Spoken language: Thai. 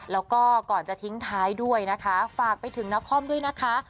แล้วก็ก่อนจะทิ้งท้ายด้วยนะคะฝากไปถึงนครด้วยนะคะ